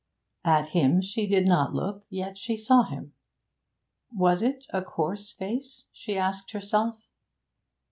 At him she did not look, yet she saw him. Was it a coarse face? she asked herself.